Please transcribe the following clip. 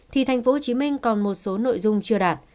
thì tp hcm còn một số nội dung chưa đạt